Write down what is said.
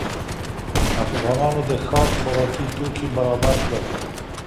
افغانانو د ښار خوراکي توکي برابر کړل.